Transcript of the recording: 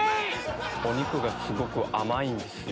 お肉がすごく甘いんですよ。